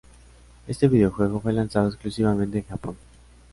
Este videojuego fue lanzado exclusivamente en Japón.